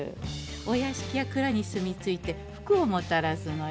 お屋敷や蔵に住みついて福をもたらすのよ。